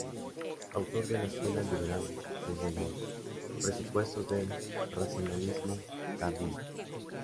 Autor de la Escuela liberal, desde los presupuestos del racionalismo tardío.